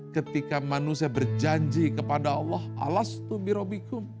ketika manusia berjanji kepada allah swt